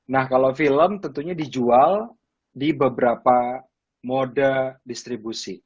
nah kalau film tentunya dijual di beberapa mode distribusi